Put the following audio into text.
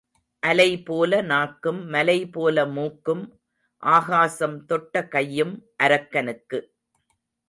அலை போல நாக்கும் மலைபோல மூக்கும் ஆகாசம் தொட்ட கையும் அரக்கனுக்கு.